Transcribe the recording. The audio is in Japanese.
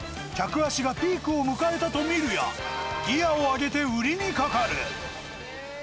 客足がピークを迎えたと見るや、ギアを上げて売りにかかる。